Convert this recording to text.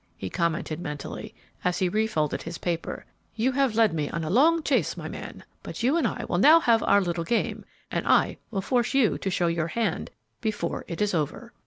he commented mentally, as he refolded his paper; "you have led me a long chase, my man, but you and I will now have our little game, and I will force you to show your hand before it is over!"